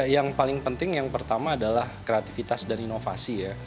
yang paling penting yang pertama adalah kreativitas dan inovasi ya